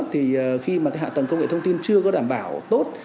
thì khi mà cái hạ tầng công nghệ thông tin chưa có đảm bảo tốt